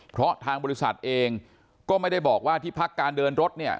เพราะทางบริษัทเองก็ไม่ได้บอกว่าที่พักการเดินรถเนี่ย